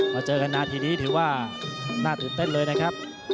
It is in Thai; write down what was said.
เจอกันนาทีนี้ถือว่าน่าตื่นเต้นเลยนะครับ